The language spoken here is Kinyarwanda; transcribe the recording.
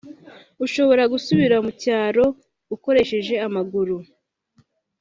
ushobora gusubira mu cyaro ukoresheje amaguru